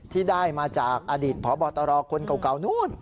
ที่ได้มาจากอดีตพบตรคนเก่านู้น